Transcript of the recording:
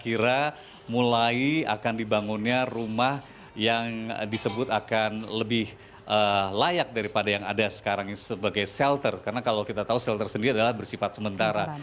saya kira mulai akan dibangunnya rumah yang disebut akan lebih layak daripada yang ada sekarang ini sebagai shelter karena kalau kita tahu shelter sendiri adalah bersifat sementara